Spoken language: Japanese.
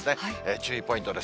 注意ポイントです。